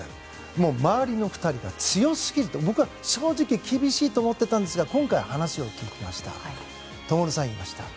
もう周りの２人が強すぎて僕は正直厳しいと思っていたんですが今回、話を聞いてきましたら灯さんは言いました。